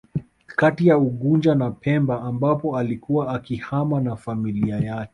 Kati ya unguja na pemba ambapo alikuwa akihama na familia yake